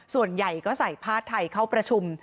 ส่วนใหญ่ก็ใส่ผ้าไทยเข้าประชุม